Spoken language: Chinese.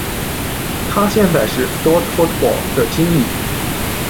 他现在是 Stord Fotball 的经理。